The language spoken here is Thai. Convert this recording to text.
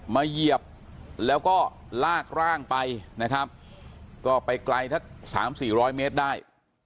มาเหยียบแล้วก็ลากร่างไปนะครับก็ไปไกล๓๔๐๐เมตรได้